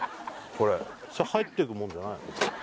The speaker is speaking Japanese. これそれ入ってくもんじゃないの？